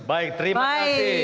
baik terima kasih